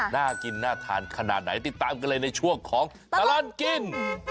น่ากินน่าทานขนาดไหนติดตามกันเลยในช่วงของตลอดกิน